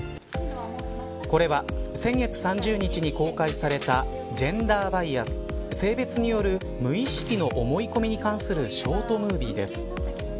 これは先月３０日に公開されたジェンダーバイアス、性別による無意識の思い込みに関するショートムービーです。